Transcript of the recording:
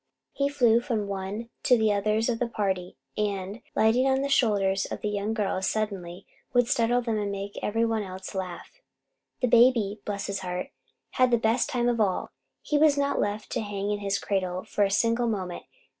He flew from one to the others of the party and, lighting on the shoulders of the young girls suddenly, would startle them and make every one else laugh. The baby, bless his heart, had the best time of all. He was not left to hang in his cradle for a single moment.